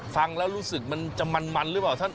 ฟังแล้วรู้สึกมันจะมันหรือเปล่าท่าน